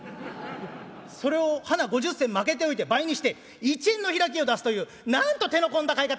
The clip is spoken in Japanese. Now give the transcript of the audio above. それをはな５０銭まけておいて倍にして１円の開きを出すというなんと手の込んだ買い方！」。